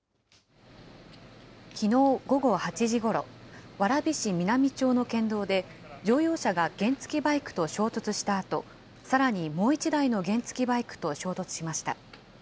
きのう午後８時ごろ、蕨市南町の県道で、乗用車が原付きバイクと衝突したあと、さらにもう１台の原付きバイクと衝突しました。